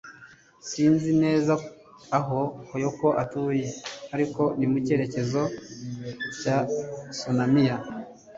Sinzi neza aho Kyoko atuye ariko ni mu cyerekezo cya Sannomiya